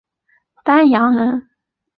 丹阳人。